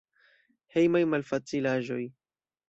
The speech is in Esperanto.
Hejmaj malfacilaĵoj.